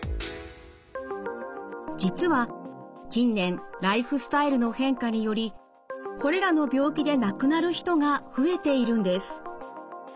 実は近年ライフスタイルの変化によりこれらの病気で亡くなる人が増えているんです。